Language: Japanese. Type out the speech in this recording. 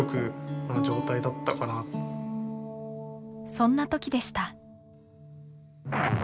そんな時でした。